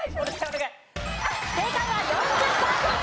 正解は４０パーセント。